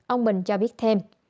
ông bình cho biết thêm